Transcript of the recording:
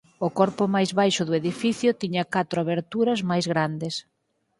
O corpo máis baixo do edificio tiña catro aberturas máis grandes